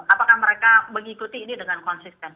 apakah mereka mengikuti ini dengan konsisten